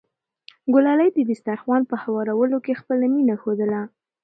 ګلالۍ د دسترخوان په هوارولو کې خپله مینه ښودله.